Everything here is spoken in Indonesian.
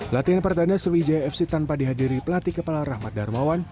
latihan perdana sriwijaya fc tanpa dihadiri pelatih kepala rahmat darmawan